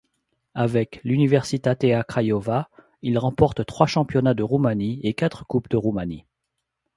Avec l'Universitatea Craiova, il remporte trois championnats de Roumanie et quatre Coupes de Roumanie.